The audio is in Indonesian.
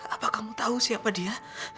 apa kamu tahu siapa dia